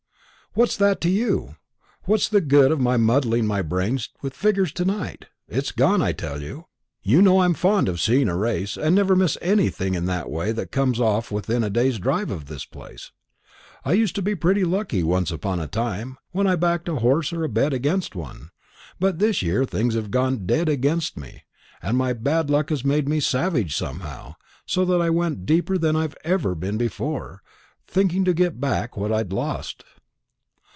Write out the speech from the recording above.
"What's that to you? What's the good of my muddling my brains with figures to night? It's gone, I tell you. You know I'm fond of seeing a race, and never miss anything in that way that comes off within a day's drive of this place. I used to be pretty lucky once upon a time, when I backed a horse or bet against one. But this year things have gone dead against me; and my bad luck made me savage somehow, so that I went deeper than I've been before, thinking to get back what I'd lost."